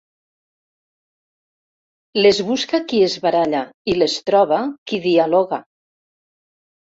Les busca qui es baralla i les troba qui dialoga.